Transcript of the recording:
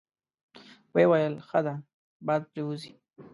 ویې ویل: ښه ده، باد پرې وځي.